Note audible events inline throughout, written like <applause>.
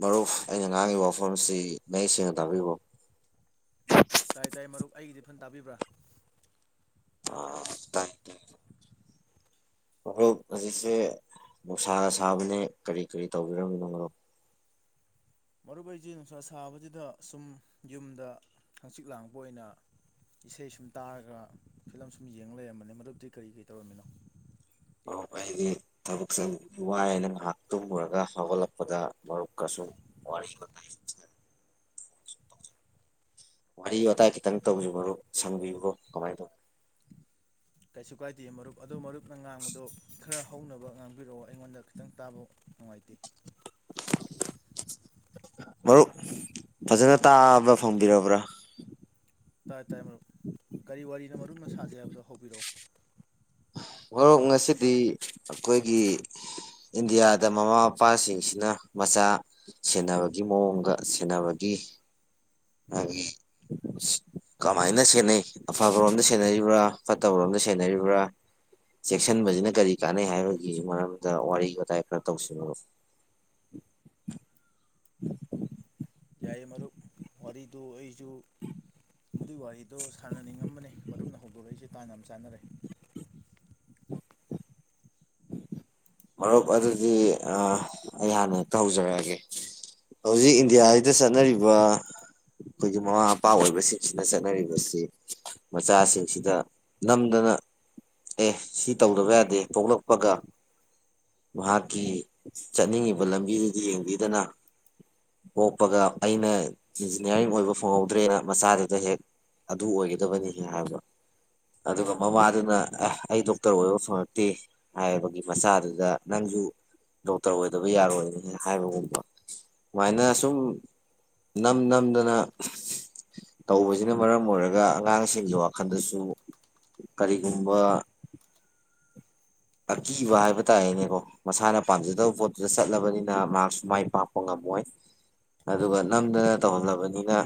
ꯃꯔꯨꯞ ꯑꯩꯅ ꯉꯥꯡꯉꯤꯕ ꯋꯥꯐꯝꯁꯤ ꯃꯌꯦꯛ ꯁꯦꯡꯅ ꯇꯥꯛꯕꯤꯕꯣ ꯇꯥꯏ ꯇꯥꯏ ꯃꯔꯨꯞ ꯑꯩꯒꯤꯗꯤ ꯐꯟ ꯇꯥꯕꯤꯕ꯭ꯔꯥ ꯑ ꯇꯥꯏ ꯍꯣꯔꯣꯛ ꯍꯧꯖꯤꯛꯁꯦ ꯅꯨꯡꯁꯥꯒ ꯁꯥꯕꯅꯦ ꯀꯔꯤ ꯀꯔꯤ ꯇꯧꯕꯤꯔꯝꯃꯤꯅꯣ ꯃꯔꯣꯔꯣꯛ ꯃꯔꯨꯨꯞ ꯑꯩꯁꯤꯦ ꯅꯨꯡꯁꯥ ꯁꯥꯕꯁꯤꯗ ꯁꯨꯝ ꯌꯨꯝꯗ ꯍꯪꯆꯤꯛ ꯂꯥꯡꯕ ꯑꯣꯏꯅ ꯏꯁꯩ ꯁꯨꯝ ꯇꯥꯔꯒ ꯐꯤꯂꯝ ꯁꯨꯝ ꯌꯦꯡ ꯂꯩꯔꯝꯕꯅꯤ ꯃꯗꯨꯕꯨꯤ ꯀꯔꯤ ꯀꯔꯤ ꯇꯧꯔꯝꯃꯤꯅꯣ ꯃꯔꯨꯞ ꯑꯩꯗꯤ ꯊꯕꯛꯁꯦ ꯋꯥꯏ ꯍꯥꯏꯅ ꯉꯥꯏꯍꯥꯛ ꯇꯨꯝꯃꯨꯔꯒ ꯍꯧꯒꯠꯂꯛꯄꯗ ꯃꯔꯨꯞꯀꯁꯨ ꯋꯥꯔꯤ ꯋꯥꯇꯥꯏ ꯋꯥꯔꯤ ꯋꯥꯇꯥꯏ ꯈꯤꯇꯪ ꯇꯧꯁꯤ ꯃꯔꯨꯞ ꯁꯝꯕꯤꯌꯨꯕꯣ ꯀꯃꯥꯏꯅ ꯇꯧꯕ ꯀꯩꯁꯨ ꯀꯥꯏꯗꯦ ꯃꯔꯨꯞ ꯑꯗꯨ ꯃꯔꯨꯞꯅ ꯉꯥꯡꯕꯗꯣ ꯈꯔ ꯍꯧꯅꯕ ꯉꯥꯡꯕꯤꯔꯛꯑꯣ ꯑꯩꯉꯣꯟꯗ ꯈꯤꯇꯪ ꯇꯥꯕ ꯅꯨꯡꯉꯥꯏꯇꯦ ꯃꯔꯨꯞ ꯐꯖꯅ ꯇꯥꯕ ꯐꯪꯕꯤꯔꯕ꯭ꯔꯥ ꯇꯥꯏ ꯇꯥꯥꯏꯦꯨꯞ ꯀꯔꯤ ꯋꯥꯔꯤꯅ ꯃꯔꯨꯅ ꯁꯥꯖꯩ ꯍꯥꯏꯕꯗꯣ ꯍꯧꯕꯤꯔꯛꯑꯣ ꯃꯔꯣꯛ ꯉꯁꯤꯗꯤ ꯑꯩꯈꯣꯏꯒꯤ ꯏꯟꯗꯤꯌꯥꯗ ꯃꯃꯥ ꯃꯄꯥꯁꯤꯡꯁꯤꯅ ꯃꯆꯥ ꯁꯦꯟꯅꯕꯒꯤ ꯃꯑꯣꯡꯒ ꯁꯦꯟꯅꯕꯒꯤ ꯃꯥꯒꯤ ꯀꯃꯥꯏꯅ ꯁꯦꯟꯅꯩ ꯑꯐꯕꯔꯣꯝꯗ ꯁꯦꯟꯅꯔꯤꯕ꯭ꯔꯥ ꯐꯠꯇꯕꯔꯣꯝꯗ ꯁꯦꯟꯅꯔꯤꯕ꯭ꯔꯥ ꯆꯦꯛꯁꯤꯟꯕꯁꯤꯅ ꯀꯔꯤ ꯀꯥꯟꯅꯩ ꯍꯥꯏꯕꯒꯤ ꯃꯔꯝꯗ ꯋꯥꯔꯤ ꯋꯥꯇꯥꯏ ꯈꯔ ꯇꯧꯁꯤꯕꯕ ꯌꯥꯏ ꯃꯔꯔ ꯋꯥꯔꯤꯗꯨ ꯑꯣꯏ ꯨ ꯃꯗꯨꯏ ꯋꯥꯔꯤꯗꯣ ꯁꯥꯟꯅꯅꯤꯡꯉꯝꯕꯅꯦ ꯃꯔꯝꯅ ꯍꯧꯧꯕ ꯑꯗꯨꯂꯛ ꯑꯩꯁꯦ ꯇꯥꯡꯅ ꯌꯥꯝ ꯆꯥꯟꯅꯔꯦ ꯃꯔꯨꯞ ꯑꯗꯨꯗꯤ ꯑꯩ ꯍꯥꯟꯅ ꯍꯦꯛꯇ ꯍꯧꯖꯔꯛꯑꯒꯦ ꯍꯧꯖꯤꯛ ꯏꯟꯗꯤꯌꯥꯁꯤꯗ ꯆꯠꯅꯔꯤꯕ ꯑꯩꯈꯣꯏꯒꯤ ꯃꯃꯥ ꯃꯄꯥ ꯑꯣꯏꯕꯁꯤꯡꯁꯤꯅ ꯆꯠꯅꯔꯤꯕꯁꯤ ꯃꯆꯥꯁꯤꯡꯁꯤꯗ ꯅꯝꯗꯅ ꯑꯦ ꯁꯤ ꯇꯧꯗꯕ ꯌꯥꯗꯦ ꯄꯣꯛꯂꯛꯄꯒ ꯃꯍꯥꯛꯀꯤ ꯆꯠꯅꯤꯡꯉꯤꯕ ꯂꯝꯕꯤꯗꯨꯗꯤ ꯌꯦꯡꯕꯤꯗꯅ ꯄꯣꯛꯄꯒ ꯑꯩꯅ ꯏꯟꯖꯤꯅꯤꯌꯥꯔꯤꯡ ꯑꯣꯏꯕ ꯐꯪꯍꯧꯗ꯭ꯔꯦꯅ ꯃꯆꯥꯗꯨꯗ ꯍꯦꯛ ꯑꯗꯨ ꯑꯣꯏꯒꯗꯕꯅꯤ ꯍꯥꯏꯕ ꯑꯗꯨꯒ ꯃꯃꯥꯗꯨꯅ ꯑꯦ ꯑꯩ ꯗꯣꯛꯇꯔ ꯑꯣꯏꯕ ꯐꯪꯉꯛꯇꯦ ꯍꯥꯏꯕꯒꯤ ꯃꯆꯥꯗꯨꯗ ꯗ ꯅꯪꯁꯨ ꯗꯣꯛꯇꯔ ꯑꯣꯏꯗꯕ ꯌꯥꯔꯣꯏꯅꯤ ꯍꯥꯏꯕꯒꯨꯝꯕ ꯁꯨꯃꯥꯏꯅ ꯁꯨꯝ ꯅꯝ ꯅꯝꯗꯅ ꯇꯧꯕꯁꯤꯅ ꯃꯔꯝ ꯑꯣꯏꯔꯒ ꯑꯉꯥꯡꯁꯤꯡꯒꯤ ꯋꯥꯈꯜꯗꯁꯨ ꯀꯔꯤꯒꯨꯝꯕ ꯑꯀꯤꯕ ꯍꯥꯏꯕ ꯇꯥꯔꯦꯅꯦꯀꯣ ꯃꯁꯥꯅ ꯄꯥꯝꯖꯗꯕ ꯄꯣꯠꯇꯨꯗ ꯆꯠꯂꯕꯅꯤꯅ ꯃꯍꯥꯛꯁꯨ ꯃꯥꯏ ꯄꯥꯛꯄ ꯉꯝꯃꯣꯏ ꯑꯗꯨꯒ ꯅꯝꯗꯅ ꯇꯧꯍꯜꯂꯕꯅꯤꯅ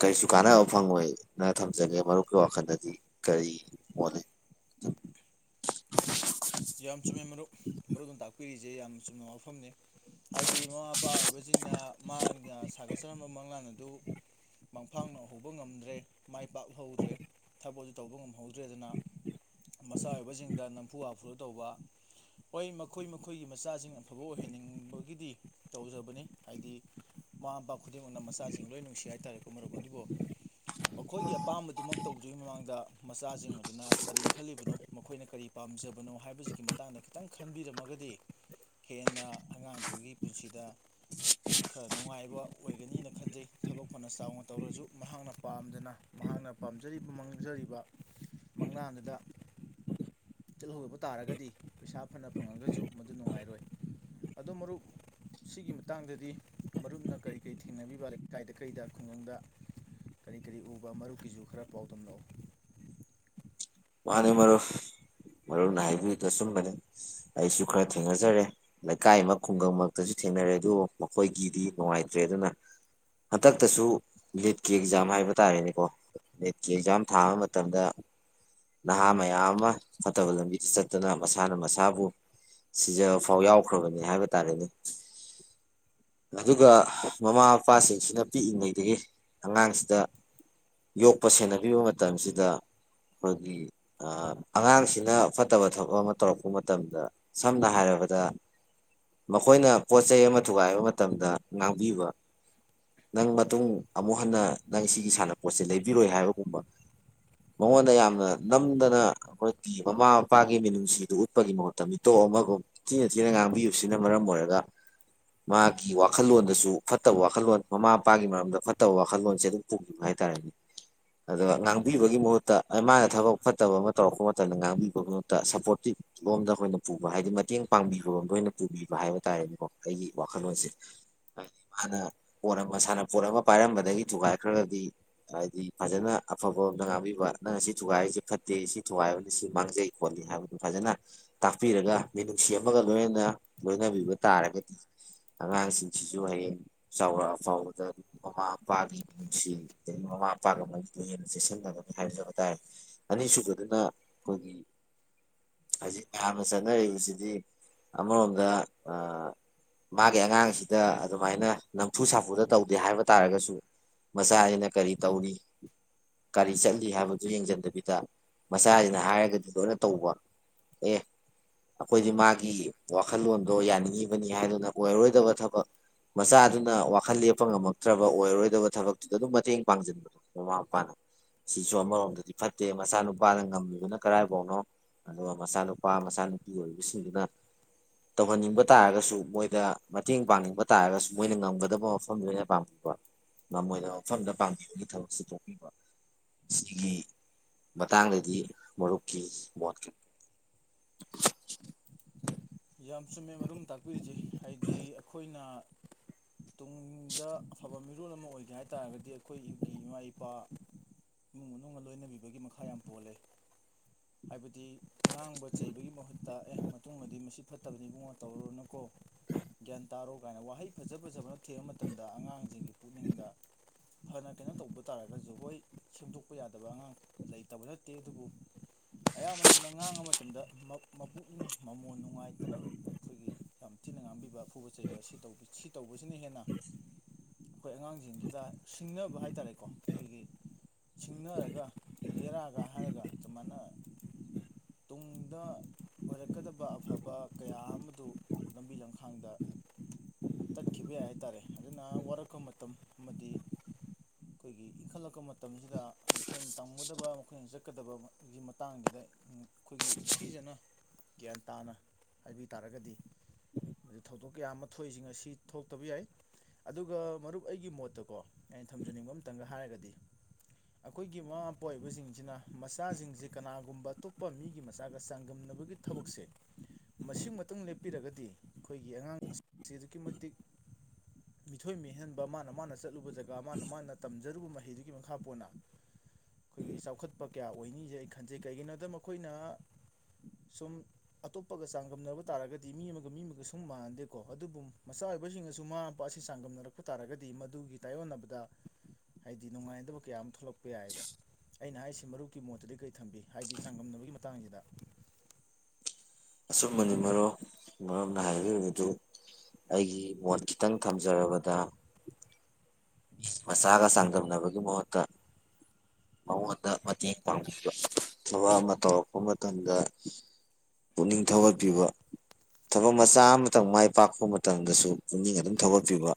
ꯀꯔꯤꯁꯨ ꯀꯥꯟꯅꯕ ꯐꯪꯉꯣꯏꯅ ꯊꯝꯖꯒꯦ ꯃꯔꯨꯞꯀꯤ ꯋꯥꯈꯜꯗꯗꯤ ꯀꯔꯤ ꯃꯣꯠꯂꯦ <inaudible> ꯌꯥꯝ ꯆꯨꯝꯃꯦ ꯃꯔꯨꯞ ꯃꯔꯨꯞ ꯑꯗꯨ ꯇꯥꯛꯄꯤꯔꯤꯁꯦ ꯏꯦ ꯌꯥꯝꯅ ꯆꯨꯝꯅ ꯋꯥꯐꯝꯅꯤ ꯍꯥꯏꯗꯤ ꯃꯃꯥ ꯃꯄꯥ ꯑꯣꯏꯕꯁꯤꯡꯅ ꯃꯥꯅ ꯁꯥꯒꯠꯆꯔꯝꯕ ꯃꯪꯂꯥꯟ ꯑꯗꯨ ꯃꯪꯐꯥꯡꯅꯍꯧꯕ ꯉꯝꯗ꯭ꯔꯦ ꯃꯥꯏ ꯄꯥꯛꯍꯧꯗ꯭ꯔꯦ ꯊꯕꯛ ꯑꯗꯨ ꯇꯧꯕ ꯉꯝꯍꯧꯗ꯭ꯔꯦ ꯑꯗꯨꯅ ꯃꯆꯥ ꯑꯣꯏꯕꯁꯤꯡꯗ ꯅꯝꯐꯨ ꯐꯣꯂꯣ ꯇꯧꯕ ꯍꯣꯏ ꯃꯈꯣꯏ ꯃꯈꯣꯏꯒꯤ ꯃꯆꯥꯁꯤꯡ ꯑꯐꯕ ꯑꯣꯏꯍꯟꯅꯤꯡꯕꯒꯤꯗꯤ ꯇꯧꯖꯕꯅꯤ ꯍꯥꯏꯗꯤ ꯃꯃꯥ ꯃꯄꯥ ꯈꯨꯗꯤꯡꯃꯛꯅ ꯃꯆꯥꯁꯤꯡ ꯂꯣꯏ ꯅꯨꯡꯁꯤ ꯍꯥꯏꯇꯥꯥꯔꯦꯀꯣ ꯃꯔꯨꯞ ꯑꯗꯨꯕꯨ ꯃꯈꯣꯏꯒꯤ ꯑꯄꯥꯝꯕꯗꯨꯃꯛ ꯇꯧꯗꯨ꯭ꯒꯤ ꯃꯃꯥꯡꯗ ꯃꯆꯥꯁꯤꯡ ꯑꯗꯨꯅ ꯀꯔꯤ ꯈꯜꯂꯤꯕꯅꯣ ꯃꯈꯣꯏꯅ ꯀꯔꯤ ꯄꯥꯝꯖꯕ ꯅꯣ ꯍꯥꯏꯕꯁꯤꯒꯤ ꯃꯇꯥꯡꯗ ꯈꯤꯇꯪ ꯈꯟꯕꯤꯔꯝꯃꯒꯗꯤ ꯍꯦꯟꯅ ꯑꯉꯥꯡꯗꯨꯒꯤ ꯄꯨꯟꯁꯤꯗ ꯈꯔ ꯅꯨꯡꯉꯥꯏꯕ ꯑꯣꯏꯒꯅꯤꯅ ꯈꯟꯖꯩ ꯊꯕꯛ ꯐꯅ ꯆꯥꯎꯅ ꯇꯧꯔꯁꯨ ꯃꯍꯥꯛꯅ ꯄꯥꯝꯗꯅ ꯃꯍꯥꯛꯅ ꯄꯥꯝꯖꯔꯤꯕ ꯃꯥꯡꯖꯔꯤꯕ ꯃꯪꯂꯥꯟꯗꯨꯗ ꯆꯤꯍꯧꯗꯕ ꯇꯥꯔꯒꯗꯤ ꯄꯩꯁꯥ ꯐꯅ ꯐꯪꯉꯒꯁꯨ ꯃꯗꯨ ꯅꯨꯡꯉꯥꯏꯔꯣꯏ ꯑꯗꯣ ꯃꯔꯨꯞ ꯁꯤꯒꯤ ꯃꯇꯥꯡꯗꯗꯤ ꯃꯔꯨꯞꯅ ꯀꯔꯤ ꯀꯔꯤ ꯊꯦꯡꯅꯕꯤꯕ ꯂꯩꯀꯥꯏꯗ ꯀꯩꯗ ꯈꯨꯡꯒꯪꯗ ꯀꯔꯤ ꯀꯔꯤ ꯎꯕ ꯃꯔꯨꯞꯀꯤꯁꯨ ꯈꯔ ꯄꯥꯎꯗꯝꯝꯂꯛꯎ ꯃꯥꯅꯦ ꯃꯔꯣꯏ ꯃꯔꯨꯞꯅ ꯍꯥꯏꯕꯤꯌꯨꯗꯣ ꯑꯁꯨꯝꯕꯅꯦ ꯑꯩꯁꯨ ꯈꯔ ꯊꯦꯡꯅꯖꯔꯦ ꯂꯩꯀꯥꯏ ꯑꯃ ꯈꯨꯡꯒꯪꯃꯛꯇꯁꯨ ꯊꯦꯡꯅꯔꯦ ꯑꯗꯨꯕꯨ ꯃꯈꯣꯏꯒꯤꯗꯤ ꯅꯨꯡꯉꯥꯏꯇ꯭ꯔꯦ ꯑꯗꯨꯅ ꯍꯟꯗꯛꯇꯁꯨ ꯅꯦꯠꯀꯤ ꯑꯦꯛꯖꯥꯝ ꯍꯥꯏꯕ ꯇꯥꯔꯦꯅꯦꯀꯣ ꯦꯠꯀꯤ ꯑꯦꯛꯖꯥꯝ ꯊꯥꯕ ꯃꯇꯝꯗ ꯅꯍꯥ ꯃꯌꯥꯝ ꯑꯃ ꯐꯠꯇꯕ ꯂꯝꯕꯤꯗ ꯆꯠꯇꯨꯅ ꯃꯁꯥꯅ ꯃꯁꯥꯕꯨ ꯁꯤꯖꯕ ꯐꯥꯎ ꯌꯥꯎꯈ꯭ꯔꯕꯅꯤ ꯍꯥꯏꯕ ꯇꯥꯔꯦꯅꯦ ꯑꯗꯨꯒ ꯃꯃꯥ ꯃꯄꯥꯁꯤꯡꯁꯤꯅ ꯄꯤꯛꯏꯉꯩꯗꯒꯤ ꯑꯉꯥꯡꯁꯤꯗ ꯌꯣꯛꯄ ꯁꯦꯟꯅꯕꯤꯕ ꯃꯇꯝꯁꯤꯗꯣꯏ ꯑꯒꯤ ꯑꯉꯥꯡꯁꯤꯅ ꯐꯠꯇꯕ ꯊꯕꯛ ꯑꯃ ꯇꯧꯔꯛꯄ ꯃꯇꯝꯗ ꯁꯝꯅ ꯍꯥꯏꯔꯕꯗ ꯃꯈꯣꯏꯅ ꯄꯣꯠ ꯆꯩ ꯑꯃ ꯊꯨꯒꯥꯏꯕ ꯃꯇꯝꯗ ꯉꯥꯡꯕꯤꯕ ꯅꯪ ꯃꯇꯨꯡ ꯑꯃꯨꯛ ꯍꯟꯅ ꯅꯪ ꯁꯤꯒꯤ ꯁꯥꯟꯅꯄꯣꯠꯁꯦ ꯂꯩꯕꯤꯔꯣꯏ ꯍꯥꯏꯕꯒꯨꯝꯕ ꯃꯉꯣꯟꯗ ꯌꯥꯝꯅ ꯅꯝꯗꯅ ꯑꯩꯈꯣꯏꯒꯤ ꯃꯃꯥ ꯃꯄꯥꯒꯤ ꯃꯤꯅꯨꯡꯁꯤꯗꯨ ꯎꯠꯄꯒꯤ ꯃꯍꯨꯠꯇ ꯃꯤꯇꯣꯞ ꯑꯃꯒꯨꯝ ꯊꯤꯅ ꯊꯤꯅ ꯉꯥꯡꯕꯤꯕꯁꯤꯅ ꯃꯔꯝ ꯑꯣꯏꯔꯒ ꯃꯥꯒꯤ ꯋꯥꯈꯜꯂꯣꯟꯗꯁꯨ ꯐꯠꯇꯕ ꯋꯥꯈꯜꯂꯣꯟ ꯃꯃꯥ ꯃꯄꯥꯒꯤ ꯃꯔꯝꯗ ꯐꯠꯇꯕ ꯋꯥꯈꯜꯂꯣꯟꯁꯦ ꯑꯗꯨꯝ ꯄꯨꯈꯤꯕ ꯍꯥꯏꯇꯥꯥꯔꯦꯅꯦ ꯑꯗꯨꯒ ꯉꯥꯡꯕꯤꯕꯒꯤ ꯃꯍꯨꯠꯇ ꯃꯥꯅ ꯊꯕꯛ ꯑ ꯐꯠꯇꯕ ꯑꯃ ꯇꯧꯔꯛꯄ ꯃꯇꯝꯗ ꯉꯥꯡꯕꯤꯕꯠꯇ ꯁꯞꯄꯣꯔꯇꯤꯞ ꯂꯣꯝꯗ ꯑꯩꯈꯣꯏꯅ ꯄꯨꯕ ꯍꯥꯏꯗꯤ ꯃꯇꯦꯡ ꯄꯥꯡꯕꯤꯕꯝꯗ ꯑꯣꯏꯅ ꯄꯨꯕꯤꯕ ꯍꯥꯏꯕ ꯇꯥꯔꯦꯅꯦꯀꯣ ꯑꯩꯒꯤ ꯋꯥꯈꯜꯂꯣꯟꯁꯦ ꯍꯥꯏꯗꯤ ꯃꯥꯅ ꯄꯣꯠ ꯑꯃ ꯁꯥꯟꯅꯄꯣꯠ ꯑꯃ ꯄꯥꯏꯔꯝꯕꯗꯒꯤ ꯊꯨꯒꯥꯏꯈ꯭ꯔꯒꯗꯤ ꯍꯥꯏꯗꯤ ꯐꯖꯅ ꯑꯐꯕꯔꯣꯝꯗ ꯉꯥꯡꯕꯤꯕ ꯅꯪ ꯁꯤ ꯊꯨꯒꯥꯏꯔꯤꯁꯦ ꯐꯠꯇꯦ ꯁꯤ ꯊꯨꯒꯥꯏꯕꯅꯤ ꯁꯤ ꯃꯥꯡꯖꯩ ꯈꯣꯠꯂꯤ ꯍꯥꯏꯕꯗꯨ ꯐꯖꯅ ꯇꯥꯛꯄꯤꯔꯒ ꯃꯤꯅꯨꯡꯁꯤ ꯑꯃꯒ ꯂꯣꯏꯅꯅ ꯂꯣꯏꯅꯕꯤꯕ ꯇꯥꯔꯒꯗꯤ ꯑꯉꯥꯡꯁꯤꯡꯁꯤꯁꯨ ꯍꯌꯦꯡ ꯆꯥꯎꯔꯛꯑ ꯐꯥꯎꯕꯗ ꯃꯃꯥ ꯃꯄꯥꯒꯤ ꯃꯤꯅꯨꯡꯁꯤ ꯑꯗꯒꯤ ꯃꯃꯥ ꯃꯄꯥꯒ ꯃꯔꯤꯄꯨ ꯍꯦꯟꯅ ꯆꯦꯛꯁꯤꯟꯅꯒꯅꯤ ꯍꯥꯏꯖꯕ ꯇꯥꯔꯦ ꯑꯅꯤꯁꯨꯕꯗꯅ ꯑꯩꯈꯣꯏꯒꯤ ꯍꯧꯖꯤꯛ ꯃꯌꯥꯝꯅ ꯆꯠꯅꯔꯤꯕꯁꯤꯗꯤ ꯑꯃꯔꯣꯝꯗ ꯃꯥꯒꯤ ꯑꯉꯥꯡꯁꯤꯗ ꯑꯗꯨꯃꯥꯏꯅ ꯅꯝꯐꯨ ꯁꯥꯐꯨꯗ ꯇꯧꯗꯦ ꯍꯥꯏꯕ ꯇꯥꯔꯒꯁꯨ ꯃꯆꯥꯁꯤꯅ ꯀꯔꯤ ꯇꯧꯔꯤ ꯀꯔꯤ ꯆꯠꯂꯤ ꯍꯥꯏꯕꯗꯨ ꯌꯦꯡꯁꯤꯟꯗꯕꯤ ꯃꯆꯥꯁꯤꯅ ꯍꯥꯏꯔꯒꯗꯤ ꯂꯣꯏꯅ ꯇꯧꯕ ꯑꯦ ꯑꯩꯈꯣꯏꯗꯤ ꯃꯥꯒꯤ ꯋꯥꯈꯜꯂꯣꯟꯗꯣ ꯌꯥꯅꯤꯡꯉꯤꯕꯅꯤ ꯍꯥꯏꯗꯨꯅ ꯑꯣꯏꯔꯔꯣꯏꯗꯕ ꯊꯕꯛ ꯃꯆꯥꯗꯨꯅ ꯋꯥꯈꯜ ꯂꯦꯞꯄ ꯉꯝꯃꯛꯇ꯭ꯔꯕ ꯑꯣꯏꯔꯔꯣꯏꯗꯕ ꯊꯕꯛꯇꯨꯗ ꯑꯗꯨꯝ ꯃꯇꯦꯡ ꯄꯥꯡꯁꯤꯟꯕꯗꯣ ꯃꯃꯥ ꯃꯄꯥꯅ ꯁꯤꯁꯨ ꯑꯃꯔꯣꯝꯗꯗꯤ ꯐꯠꯇ ꯅꯠꯇꯦ ꯃꯆꯥꯅꯨꯄꯥꯅ ꯉꯝꯃꯤꯕꯅ ꯀꯔꯥꯏꯐꯥꯎꯅꯣ ꯑꯗꯨꯒ ꯃꯆꯥꯅꯨꯄꯥ ꯃꯆꯥꯅꯨꯄꯤ ꯑꯣꯏꯔꯤꯕꯁꯤꯡꯗꯨꯅ ꯇꯧꯍꯟꯅꯤꯡꯕ ꯇꯥꯔꯒꯁꯨ ꯃꯣꯏꯗ ꯃꯇꯦꯡ ꯄꯥꯡꯅꯤꯡꯕ ꯇꯥꯔꯒꯁꯨ ꯃꯣꯏꯅ ꯉꯝꯒꯗꯕ ꯃꯐꯝꯗ ꯑꯣꯏꯅ ꯄꯥꯡꯕꯤꯕ ꯃꯣꯏꯅ ꯃꯐꯝꯗ ꯄꯥꯡꯝꯕꯤꯕꯒꯤ ꯊꯕꯛꯁꯤ ꯇꯣꯛꯄꯤꯕ ꯁꯤꯒꯤ ꯃꯇꯥꯡꯗꯗꯤ ꯃꯔꯨꯞꯀꯤ ꯣꯠꯈꯤ ꯌꯥꯝ ꯆꯨꯝꯃꯦ ꯃꯔꯨꯝ ꯇꯥꯛꯄꯤꯔꯤꯁꯦ ꯍꯥꯏꯗꯤ ꯑꯩꯈꯣꯏꯅ ꯇꯨꯡꯗ ꯑꯐꯕ ꯃꯤꯔꯣꯜ ꯑꯃ ꯑꯣꯏꯒꯦ ꯍꯥꯏꯇꯥꯥꯔꯒꯗꯤ ꯑꯩꯈꯣꯏꯒꯤ ꯏꯃꯥ ꯏꯄꯥ ꯏꯃꯨꯡ ꯃꯅꯨꯡ ꯂꯣꯏꯅꯕꯤꯕꯒꯤ ꯃꯈꯥ ꯌꯥꯝ ꯄꯣꯜꯂꯦ ꯍꯥꯏꯕꯗꯤ ꯉꯥꯡꯕ ꯆꯩꯕꯒꯤ ꯃꯍꯨꯠꯇ ꯑꯦ ꯃꯇꯨꯡꯃꯗꯤ ꯃꯁꯤ ꯐꯠꯇꯕꯅꯤ ꯏꯕꯨꯡꯉꯣ ꯇꯧꯔꯨꯔꯅꯀꯣ ꯒ꯭ꯌꯥꯟ ꯇꯥꯔꯣ ꯀꯥꯏꯅ ꯋꯥꯍꯩ ꯐꯖ ꯐꯖꯕꯅ ꯊꯦꯡꯕ ꯃꯇꯝꯗ ꯑꯉꯥꯡꯁꯤꯡꯒꯤ ꯄꯨꯛꯅꯤꯡꯗ ꯐꯅ ꯀꯩꯅꯣ ꯇꯧꯕ ꯇꯥꯔꯒꯁꯨ ꯍꯣꯏ ꯁꯦꯝꯗꯣꯛꯄ ꯌꯥꯗꯕ ꯑꯉꯥꯡ ꯂꯩꯇꯕ ꯅꯠꯇꯦ ꯑꯗꯨꯕꯨ ꯑꯌꯥꯝꯕ ꯃꯇꯝꯗ ꯉꯥꯡꯕ ꯃꯇꯝꯗ ꯃꯄꯨꯛꯅꯤꯡ ꯃꯃꯣꯟ ꯅꯨꯡꯉꯥꯏ ꯐꯠꯇꯅꯕ ꯑꯩꯈꯣꯏꯒꯤ ꯌꯥꯝ ꯊꯤꯅ ꯉꯥꯡꯕꯤꯕ ꯑꯐꯨꯕ ꯆꯩꯕ ꯁꯤ ꯇꯧꯕ ꯁꯤ ꯇꯧꯕꯁꯤꯅ ꯍꯦꯟꯅ ꯑꯩꯈꯣꯏ ꯑꯉꯥꯡꯁꯤꯡꯒꯤꯗ ꯁꯤꯡꯅꯕ ꯍꯥꯏꯇꯥꯔꯦꯀꯣ ꯑꯩꯈꯣꯏꯒꯤ ꯁꯤꯡꯅꯔꯒ ꯍꯦꯔꯛꯑꯒ ꯍꯥꯏꯔꯒ ꯑꯗꯨꯃꯥꯏꯅ ꯇꯨꯡꯗ ꯑꯣꯏꯔꯛꯀꯗꯕ ꯑꯐꯕ ꯀꯌꯥ ꯑꯃꯗꯨ ꯂꯝꯕꯤ ꯂꯝꯈꯥꯡꯗ ꯇꯠꯈꯤꯕ ꯌꯥꯏ ꯍꯥꯏꯇꯥꯔꯦ ꯑꯗꯨꯅ ꯋꯥꯔꯛꯄ ꯃꯇꯝ ꯑꯃꯗꯤ ꯑꯩꯈꯣꯏꯒꯤ ꯏꯟꯈꯠꯂꯛꯄ ꯃꯇꯝꯁꯤꯗ ꯃꯈꯣꯏꯅ ꯇꯝꯒꯗꯕ ꯃꯈꯣꯏꯅ ꯆꯠꯀꯗꯕꯒꯤ ꯃꯇꯥꯡꯁꯤꯗ ꯑꯩꯈꯣꯏꯒꯤ ꯏꯟꯊꯤꯖꯅ ꯒ꯭ꯌꯥꯟ ꯇꯥꯅ ꯍꯥꯏꯕꯤ ꯇꯥꯔꯒꯗꯤ ꯃ ꯊꯧꯗꯣꯛ ꯀꯌꯥ ꯑꯃ ꯊꯣꯛꯏꯁꯤꯡ ꯑꯁꯤ ꯊꯣꯛꯇꯕ ꯌꯥꯏ ꯑꯗꯨꯒ ꯃꯔꯨꯞ ꯑꯩꯒꯤ ꯃꯣꯠꯇꯀꯣ ꯑꯩꯅ ꯊꯝꯖꯅꯤꯡꯕ ꯑꯃꯇꯪꯒ ꯍꯥꯏꯔꯒꯗꯤ ꯑꯩꯈꯣꯏꯒꯤ ꯃꯃꯥ ꯃꯄꯥ ꯑꯣꯏꯕꯁꯤꯡꯁꯤꯅ ꯃꯆꯥꯁꯤꯡꯁꯦ ꯀꯅꯥꯒꯨꯝꯕ ꯑꯇꯣꯞꯄ ꯃꯤꯒꯤ ꯃꯆꯥꯒ ꯆꯥꯡꯗꯝꯅꯕꯒꯤ ꯊꯕꯛꯁꯦ ꯃꯁꯤꯃꯛꯇꯪ ꯂꯦꯞꯄꯤꯔꯒꯗꯤ ꯑꯩꯈꯣꯏꯒꯤ ꯑꯉꯥꯡꯁꯤꯡꯁꯤ ꯑꯗꯨꯛꯀꯤ ꯃꯇꯤꯛ ꯃꯤꯊꯣꯏ ꯃꯤꯍꯦꯟꯕ ꯃꯥꯅ ꯃꯥꯅ ꯆꯠꯂꯨꯕꯗ ꯖꯒꯥ ꯃꯥꯅ ꯃꯥꯅ ꯇꯝꯖꯔꯨꯕ ꯃꯍꯩ ꯐꯗꯨꯒꯤ ꯃꯈꯥ ꯄꯣꯟꯅ ꯑꯩꯈꯣꯏꯒꯤ ꯆꯥꯎꯈꯠꯄ ꯀꯌꯥ ꯑꯣꯏꯅꯤꯁꯦ ꯑꯩ ꯈꯟꯖꯩ ꯀꯩꯒꯤꯅꯣꯗ ꯃꯈꯣꯏꯅ ꯁꯨꯝ ꯑꯇꯣꯞ ꯍꯥꯄꯒ ꯆꯥꯡꯗꯝꯅꯕ ꯇꯥꯔꯒꯗꯤ ꯃꯤ ꯑꯃꯒ ꯃꯤ ꯑꯃꯒ ꯁꯨꯝ ꯃꯥꯟꯅꯗꯦꯀꯣ ꯑꯗꯨꯕꯨ ꯃꯆꯥ ꯑꯣꯏꯕꯁꯤꯡꯒꯁꯨ ꯃꯃ ꯃꯄꯥ ꯑꯁꯤ ꯆꯥꯡꯗꯝꯅꯔꯛꯄ ꯇꯥꯔꯒꯗꯤ ꯃꯗꯨꯒꯤ ꯇꯥꯏꯌꯣꯟꯅꯕꯗ ꯍꯥꯏꯗꯤ ꯅꯨꯡꯉꯥꯏꯗꯕ ꯀꯌꯥ ꯑꯃ ꯊꯣꯛꯂꯛꯄ ꯌꯥꯏꯑꯕ ꯑꯩꯅ ꯍꯥꯏꯁꯤ ꯃꯔꯨꯞꯀꯤ ꯃꯣꯠꯇꯗꯤ ꯀꯔꯤ ꯊꯝꯕꯤ ꯍꯥꯏꯗꯤ ꯆꯥꯡꯗꯝꯅꯕꯒꯤ ꯃꯇꯥꯡꯁꯤꯗ ꯑꯆꯨꯝꯕꯅꯤ ꯃꯔꯣ ꯃꯔꯝꯅ ꯍꯥꯏꯔꯤꯕꯗꯨ ꯑꯩꯒꯤ ꯃꯣꯠ ꯈꯤꯇꯪ ꯊꯝꯖꯔꯕꯗ ꯃꯁꯥꯒ ꯆꯥꯡꯗꯝꯅꯕꯒꯤ ꯃꯍꯨꯠꯇ ꯃꯉꯣꯟꯗ ꯃꯇꯦꯡ ꯄꯥꯡꯕꯤꯕ ꯊꯕꯛ ꯑꯃ ꯇꯧꯔꯛꯄ ꯃꯇꯝꯗ ꯄꯨꯛꯅꯤꯡ ꯊꯧꯒꯠꯄꯤꯕ ꯊꯕꯛ ꯃꯆꯥ ꯑꯃꯇꯪ ꯃꯥꯏ ꯄꯥꯛꯄ ꯃꯇꯝꯗꯁꯨ ꯄꯨꯛꯅꯤꯡ ꯑꯗꯨꯝ ꯊꯧꯒꯠꯄꯤꯕ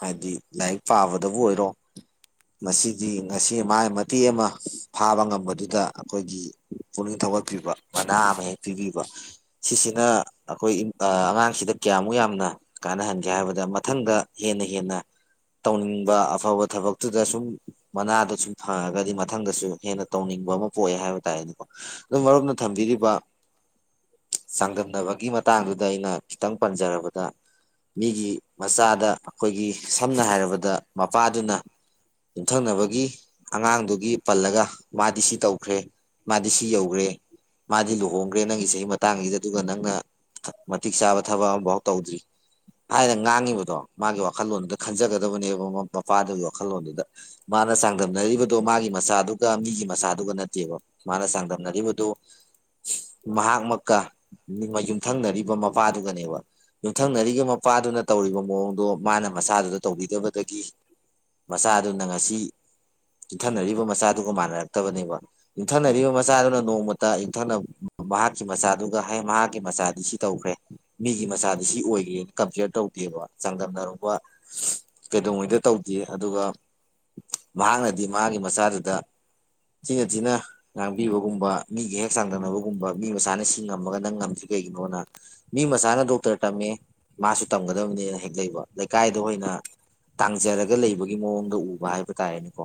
ꯍꯥꯏꯗꯤ ꯂꯥꯏꯔꯤꯛ ꯄꯥꯕꯗꯕꯨ ꯑꯣꯏꯔꯣ ꯃꯁꯤꯗꯤ ꯉꯁꯤ ꯃꯥꯒꯤ ꯃꯇꯦꯛ ꯑꯃ ꯐꯥꯕ ꯉꯝꯕꯗꯨꯗ ꯑꯩꯈꯣꯏꯒꯤ ꯄꯨꯛꯅꯤꯡ ꯊꯧꯒꯠꯄꯤꯕ ꯃꯅꯥ ꯑꯃ ꯍꯦꯛ ꯄꯤꯕꯤꯕ ꯁꯤꯁꯤꯅ ꯑꯩꯈꯣꯏ ꯑꯉꯥꯡꯁꯤꯗ ꯀꯌꯥꯃꯨꯛ ꯌꯥꯝꯅ ꯀꯥꯟꯅꯍꯟꯒꯦ ꯍꯥꯏꯕꯗ ꯃꯊꯪꯗ ꯍꯦꯟꯅ ꯍꯦꯟꯅ ꯇꯧꯅꯤꯡꯕ ꯑꯐꯕ ꯊꯕꯛꯇꯨꯗ ꯁꯨꯝ ꯃꯅꯥꯗ ꯁꯨꯝ ꯐꯪꯉꯒꯗꯤ ꯃꯊꯪꯗꯁꯨ ꯍꯦꯟꯅ ꯇꯧꯅꯤꯡꯕ ꯑꯃ ꯄꯣꯛꯑꯦ ꯍꯥꯏꯕ ꯇꯥꯔꯦꯗꯤꯀꯣ ꯑꯗꯨ ꯃꯔꯨꯞꯅ ꯊꯝꯕꯤꯔꯤꯕ ꯆꯥꯡꯗꯝꯅꯕꯒꯤ ꯃꯇꯥꯡꯗꯨꯗ ꯑꯩꯅ ꯈꯤꯇꯪ ꯄꯟꯖꯔꯕꯗ ꯃꯤꯒꯤ ꯃꯆꯥꯗ ꯑꯩꯈꯣꯏꯒꯤ ꯁꯝꯅ ꯍꯥꯏꯔꯕꯗ ꯃꯄꯥꯗꯨꯅ ꯌꯨꯝꯊꯪꯅꯕꯒꯤ ꯑꯉꯥꯡꯗꯨꯒꯤ ꯄꯜꯂꯒ ꯃꯥꯗꯤ ꯁꯤ ꯇꯧꯈ꯭ꯔꯦ ꯃꯥꯗꯤ ꯁꯤ ꯌꯧꯈ꯭ꯔꯦ ꯃꯥꯗꯤ ꯂꯨꯍꯣꯡꯈ꯭ꯔꯦ ꯅꯪꯒꯤ ꯆꯍꯤ ꯃꯇꯥꯡꯁꯤꯗ ꯑꯗꯨꯒ ꯅꯪꯅ ꯃꯇꯤꯛ ꯆꯥꯕ ꯊꯕꯛ ꯑꯃꯐꯥꯎ ꯇꯧꯗ꯭ꯔꯤ ꯍꯥꯏꯅ ꯉꯥꯡꯉꯤꯕꯗꯣ ꯃꯥꯒꯤ ꯋꯥꯈꯜꯂꯣꯟꯗꯨꯗ ꯈꯟꯖꯒꯗꯕꯅꯦꯕ ꯃꯄꯥꯗꯨꯒꯤ ꯋꯥꯈꯜꯂꯣꯟꯗꯨꯗ ꯃꯥꯅ ꯆꯥꯡꯗꯝꯅꯔꯤꯕꯗꯣ ꯃꯥꯒꯤ ꯃꯆꯥꯗꯨꯒ ꯃꯤꯒꯤ ꯃꯆꯥꯗꯨꯒ ꯅꯠꯇꯦꯕ ꯃꯥꯅ ꯆꯥꯡꯗꯝꯅꯔꯤꯕꯗꯨ ꯃꯍꯥꯛ ꯃꯀ ꯌꯨꯝꯊꯪꯅꯔꯤꯕ ꯃꯄꯥꯗꯨꯒꯅꯦꯕ ꯌꯨꯝꯊꯪꯅꯔꯤꯕ ꯃꯄꯥꯗꯨꯅ ꯇꯧꯔꯤꯕ ꯃꯑꯣꯡ ꯑꯗꯣ ꯃꯥꯅ ꯃꯆꯥꯗꯨꯗ ꯇꯧꯕꯤꯗꯕꯗꯒꯤ ꯃꯆꯥꯗꯨꯅ ꯉꯁꯤ ꯌꯨꯝꯊꯅꯔꯤꯕ ꯃꯆꯥꯗꯨꯒ ꯃꯥꯟꯅꯔꯛꯇꯕꯅꯦꯕ ꯌꯨꯝꯊꯅꯔꯤꯕ ꯃꯆꯥꯗꯨꯅ ꯅꯣꯡꯃꯇ ꯌꯨꯝꯊꯅ ꯃꯍꯥꯛꯀꯤ ꯃꯆꯥꯗꯨꯒ ꯍꯥꯏ ꯃꯍꯥꯛꯀꯤ ꯃꯆꯥꯗꯤ ꯁꯤ ꯇꯧꯈ꯭ꯔꯦ ꯃꯤꯒꯤ ꯃꯆꯥꯗꯤ ꯁꯤ ꯑꯣꯏꯈ꯭ꯔꯦꯅ ꯀꯝꯄꯤꯌꯔ ꯇꯧꯗꯦꯕ ꯆꯥꯡꯗꯝꯅꯔꯨꯕ ꯀꯩꯗꯧꯉꯩꯗ ꯇꯧꯗꯦ ꯑꯗꯨꯒ ꯃꯍꯥꯛꯅꯗꯤ ꯃꯥꯒꯤ ꯃꯆꯥꯗꯨꯗ ꯊꯤꯅ ꯊꯤꯅ ꯉꯥꯡꯕꯤꯕꯒꯨꯝꯕ ꯃꯤꯒ ꯍꯦꯛ ꯆꯥꯡꯗꯝꯅꯕꯒꯨꯝꯕ ꯃꯤ ꯃꯁꯥꯅ ꯁꯤ ꯉꯝꯃꯒ ꯅꯪ ꯉꯝꯗ꯭ꯔꯤ ꯀꯩꯒꯤꯅꯣꯅ ꯃꯤ ꯃꯁꯥꯅ ꯗꯣꯛꯇꯔ ꯇꯝꯃꯦ ꯃꯥꯁꯨ ꯇꯝꯒꯗꯕꯅꯦꯅ ꯍꯦꯛ ꯂꯩꯕ ꯂꯩꯀꯥꯏꯗ ꯑꯣꯏꯅ ꯇꯥꯡꯖꯔꯒ ꯂꯩꯕꯒꯤ ꯃꯑꯣꯡꯗ ꯎꯕ ꯍꯥꯏꯕ ꯇꯥꯔꯦꯅꯦꯀꯣ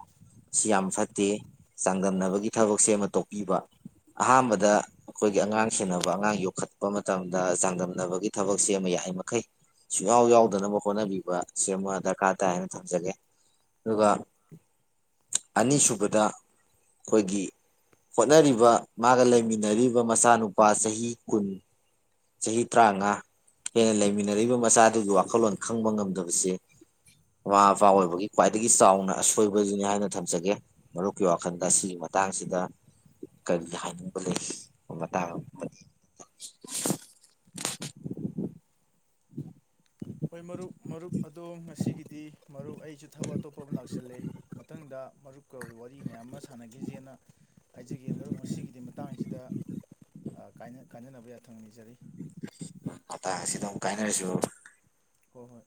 ꯁꯤ ꯌꯥꯝ ꯐꯠꯇꯦ ꯆꯥꯡꯗꯝꯅꯕꯒꯤ ꯊꯕꯛꯁꯦ ꯑꯃ ꯇꯣꯛꯄꯤꯕ ꯑꯍꯥꯟꯕꯗ ꯑꯩꯈꯣꯏꯒꯤ ꯑꯉꯥꯡ ꯁꯦꯟꯅꯕ ꯑꯉꯥꯡ ꯌꯣꯛꯈꯠꯄ ꯃꯇꯝꯗ ꯆꯥꯡꯗꯝꯅꯕꯒꯤ ꯊꯕꯛꯁꯦ ꯑꯃ ꯌꯥꯔꯤꯃꯈꯩ ꯁꯨꯡꯌꯥꯎ ꯌꯥꯎ ꯇꯧꯗꯅꯕ ꯍꯣꯠꯅꯕꯤꯕ ꯁꯤꯃ ꯗꯔꯀꯥꯔ ꯇꯥꯏ ꯍꯥꯏꯅ ꯊꯝꯖꯒꯦ ꯑꯗꯨꯒ ꯑꯅꯤꯁꯨꯕꯗ ꯑꯩꯈꯣꯏꯒꯤ ꯍꯣꯠꯅꯔꯤꯕ ꯃꯥꯒ ꯂꯩꯃꯤꯟꯅꯔꯤꯕ ꯃꯆꯥꯅꯨꯄꯥ ꯆꯍꯤ ꯀꯨꯟ ꯆꯍꯤ ꯇꯔꯥꯃꯉꯥ ꯍꯦꯟꯅ ꯂꯩꯃꯤꯟꯅꯔꯤꯕ ꯃꯆꯥꯗꯨꯒꯤ ꯋꯥ ꯋꯥꯈꯜꯂꯣꯟ ꯈꯪꯕ ꯉꯝꯗꯕꯁꯦ ꯃꯃꯥ ꯃꯄꯥ ꯑꯣꯏꯕꯒꯤ ꯈ꯭ꯋꯥꯏꯗꯒꯤ ꯆꯥꯎꯅ ꯑꯁꯣꯏꯕꯗꯨꯅꯤ ꯍꯥꯏꯅ ꯊꯝꯖꯒꯦ ꯃꯔꯨꯞꯀꯤ ꯋꯥꯈꯜꯗ ꯑꯁꯤꯒꯤ ꯃꯇꯥꯡꯁꯤꯗ ꯀꯔꯤ ꯍꯥꯏꯅꯤꯡꯕ ꯂꯩ ꯃꯇꯥꯡ ꯎꯝ ꯍꯣꯏ ꯃꯔꯨꯞ ꯃꯔꯨꯞ ꯑꯗꯣ ꯉꯁꯤꯒꯤꯗꯤ ꯃꯔꯨꯞ ꯑꯩꯁꯨ ꯊꯕꯛ ꯑꯇꯣꯞꯄ ꯑꯃ ꯂꯥꯛꯁꯜꯂꯦ ꯃꯊꯪꯗ ꯃꯔꯨꯞꯀ ꯑꯣꯏ ꯋꯥꯔꯤ ꯃꯌꯥꯝ ꯑꯃ ꯁꯥꯟꯅꯈꯤꯖꯦꯅ ꯍꯥꯏꯖꯒꯦ ꯃꯔꯨꯞ ꯉꯁꯤꯒꯤꯗꯤ ꯃꯇꯥꯡꯁꯤꯗ ꯀꯥꯏꯅꯅꯕ ꯌꯥꯊꯪ ꯅꯤꯖꯔꯤ ꯃꯇꯥꯡ ꯑꯁꯤꯗ ꯑꯃꯨꯛ ꯀꯥꯏꯅꯔꯁꯨ ꯍꯣꯏ ꯍꯣꯏ